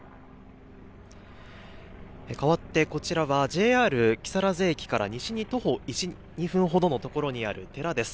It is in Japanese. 変わって、こちらはＪＲ木更津駅から西に徒歩１、２分ほどの所にある寺です。